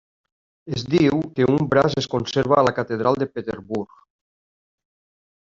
Es diu que un braç es conserva a la catedral de Peterborough.